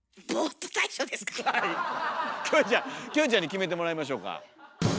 キョエちゃんキョエちゃんに決めてもらいましょうか。